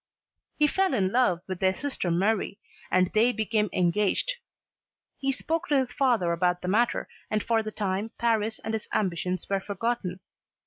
He fell in love with their sister Marie and they became engaged. He spoke to his father about the matter, and for the time Paris and his ambitions were forgotten.